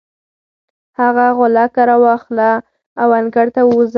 هغه غولکه راواخله او انګړ ته ووځه.